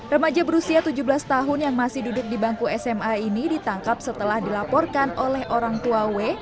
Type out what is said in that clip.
remaja berusia tujuh belas tahun yang masih duduk di bangku sma ini ditangkap setelah dilaporkan oleh orang tua w